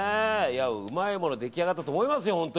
うまいものが出来上がったと思いますよ。